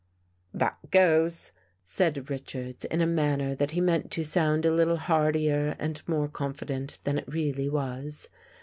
" That goes," said Richards in a manner that he meant to sound a little heartier and more confident than it really was.